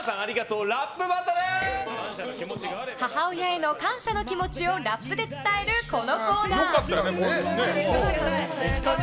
母親への感謝の気持ちをラップで伝える、このコーナー。